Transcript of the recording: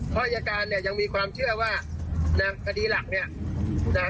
เพราะอายการเนี่ยยังมีความเชื่อว่านะคดีหลักเนี่ยนะ